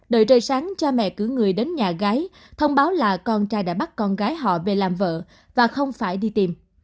đợi trời sáng cha mẹ cử người đến nhà gái thông báo là con trai đã bắt con gái họ về làm vợ và không phải đi tìm